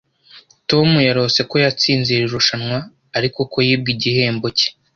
Tom yarose ko yatsinze iri rushanwa, ariko ko yibwe igihembo cye.